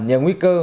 nhờ nguy cơ